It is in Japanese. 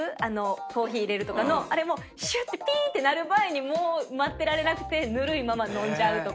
コーヒー入れるとかのあれもシュッピ！って鳴る前にもう待ってられなくてぬるいまま飲んじゃうとか。